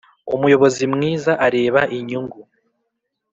Umuyobozi mwiza areba inyungu